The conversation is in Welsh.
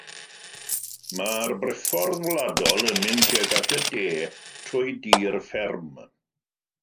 Mae'r briffordd wladol yn mynd tuag at y de trwy dir fferm.